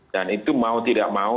dan itu mau tidak mau